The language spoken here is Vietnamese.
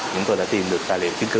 chúng tôi đã tìm được tài liệu chứng cứ